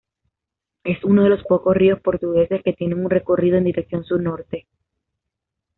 Es un de los pocos ríos portugueses que tiene un recorrido en dirección sur-norte.